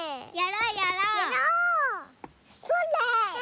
それ！